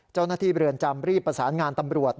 เจ้าหน้าที่เรือนจำรีบประสานงานตำรวจ